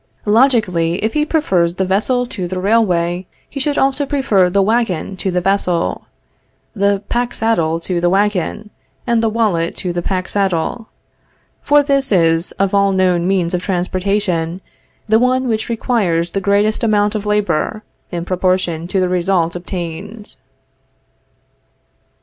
Logically, if he prefers the vessel to the railway, he should also prefer the wagon to the vessel, the pack saddle to the wagon, and the wallet to the pack saddle; for this is, of all known means of transportation, the one which requires the greatest amount of labor, in proportion to the result obtained.